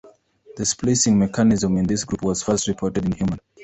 The splicing mechanism in this group was first reported in human.